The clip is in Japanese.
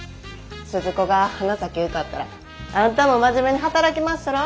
鈴子が花咲受かったらあんたも真面目に働きまっしゃろ？